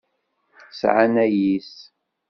Sɛan ayis.